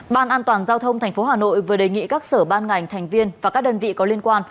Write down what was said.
ban an toàn giao thông tp hà nội vừa đề nghị các sở ban ngành thành viên và các đơn vị có liên quan